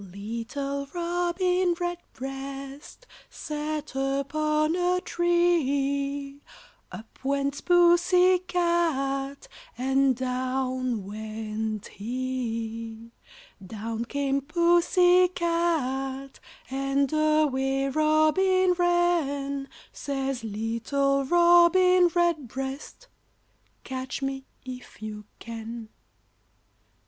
] Little Robin Redbreast sat upon a tree, Up went Pussy cat, and down went he; Down came Pussy cat, and away Robin ran; Says little Robin Redbreast, "Catch me if you can."